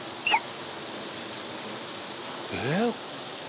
えっ？